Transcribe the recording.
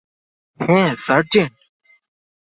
হ্যা, সার্জেন্ট!